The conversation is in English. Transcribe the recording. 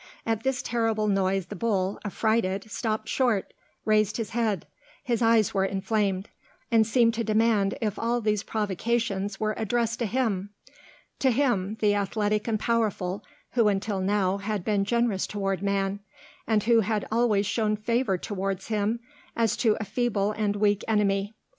At this terrible noise the bull, affrighted, stopped short, raised his head; his eyes were inflamed, and seemed to demand if all these provocations were addressed to him; to him, the athletic and powerful, who until now had been generous towards man, and who had always shown favor towards him as to a feeble and weak enemy.